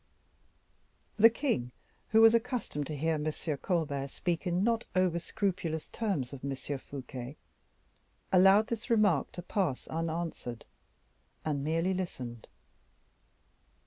The king, who was accustomed to hear M. Colbert speak in not over scrupulous terms of M. Fouquet, allowed this remark to pass unanswered, and merely listened.